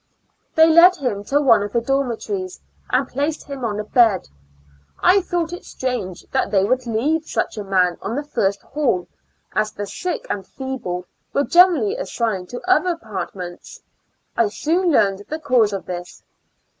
They led him to one of the dormitories and placed him on a bed. I thought it strange that they would leave such a man on the first hall, as the sick and feeble were generally assigned to other apartments; I soon learned the cause of this.